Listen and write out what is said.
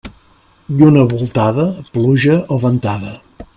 Lluna voltada, pluja o ventada.